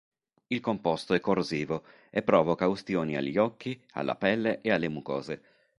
Il composto è corrosivo, e provoca ustioni agli occhi, alla pelle e alle mucose.